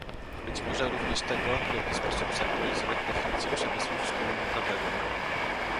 Być może również tego, w jaki sposób zaktualizować definicję przemysłu wspólnotowego